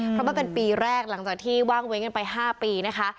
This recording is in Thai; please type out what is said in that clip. เพราะมันเป็นปีแรกหลังจากที่ว่างเว้นกันไป๕ปีนะคะ